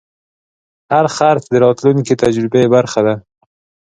هر خرڅ د راتلونکي تجربې برخه ده.